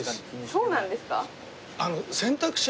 そうなんですか？